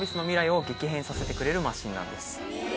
させてくれるマシンなんです。